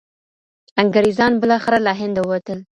انګریزان بالاخره له هنده ووتل.